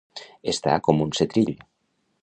Estar com un setrill.